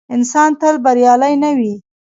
انسان تل بریالی نه وي.